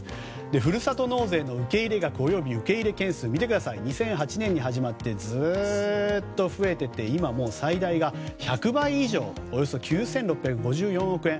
ふるさと納税の受け入れ額および受け入れ件数は２００８年に始まってずっと増えていて今、もう最大が１００倍以上のおよそ９６５４億円。